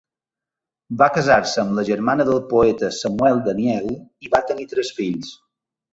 Va casar-se amb la germana del poeta Samuel Daniel i va tenir tres fills.